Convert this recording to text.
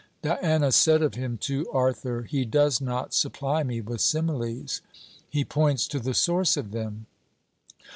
Diana said of him to Arthur: 'He does not supply me with similes; he points to the source of them.'